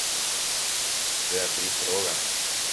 Beatriz róga.